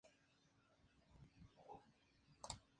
Es madre de Marina Paul Cruz.